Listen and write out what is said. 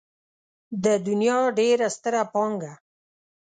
د دنيا ډېره ستره پانګه.